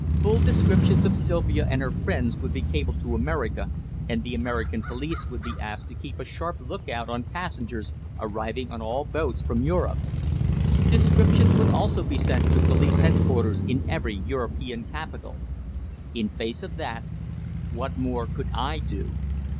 Full descriptions of Sylvia and her friends would be cabled to America, and the American police would be asked to keep a sharp look out on passengers arriving on all boats from Europe. Descriptions would also be sent to the police head quarters in every European capital. In face of that, what more could I do?